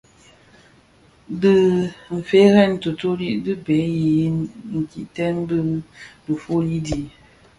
Bi difeërèn tuutubi di bhee yi dhikèè dhi diifuyi di.